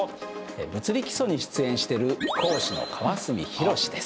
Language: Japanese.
「物理基礎」に出演してる講師の川角博です。